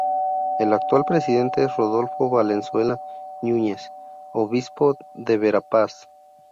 El actual presidente es Rodolfo Valenzuela Núñez, obispo de Verapaz.